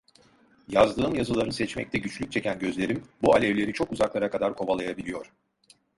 Yazdığım yazıları seçmekte güçlük çeken gözlerim, bu alevleri çok uzaklara kadar kovalayabiliyor.